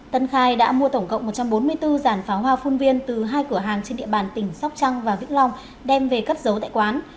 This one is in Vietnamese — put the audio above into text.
tân khai đã mua tổng cộng một trăm bốn mươi bốn giản pháo hoa phun viên từ hai cửa hàng trên địa bàn tỉnh sóc trăng và vĩnh long đem về cất giấu tại quán